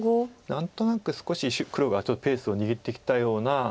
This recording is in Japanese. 何となく少し黒がちょっとペースを握ってきたような。